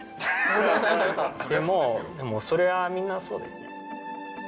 でもそれはみんなそうですね。